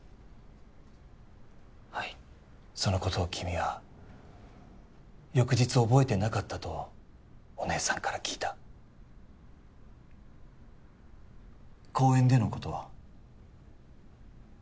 はいそのことを君は翌日覚えてなかったとお姉さんから聞いた公園でのことは？